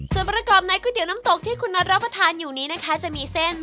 ส่วนประกอบในก๋วยเตี๋ยวน้ำตกที่คุณน็อตรับประทานอยู่นี้นะคะจะมีเส้น